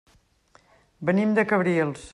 Venim de Cabrils.